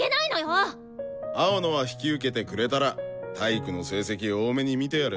青野は引き受けてくれたら体育の成績大目に見てやる。